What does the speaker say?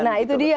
nah itu dia